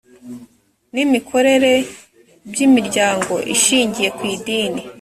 n imikorere by imiryango ishingiye ku idini